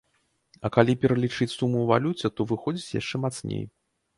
А калі пералічыць суму ў валюце, то выходзіць яшчэ мацней.